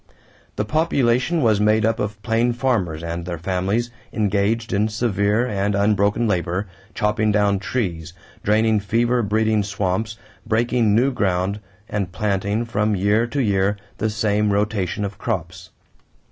The population was made up of plain farmers and their families engaged in severe and unbroken labor, chopping down trees, draining fever breeding swamps, breaking new ground, and planting from year to year the same rotation of crops.